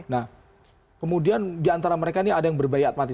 nah kemudian di antara mereka ini ada yang berbaikat mati